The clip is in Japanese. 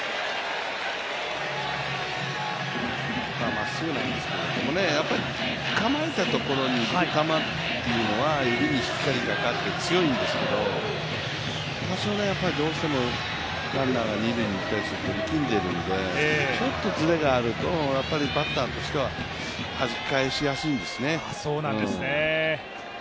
まっすぐなんですけどね、構えたところに行く球は指にしっかりかかって強いんですけど、多少、どうしてもランナーが二塁にいたりすると力んでいるんで、ちょっとずれがあるとバッターとしては弾き返しやすいんですね。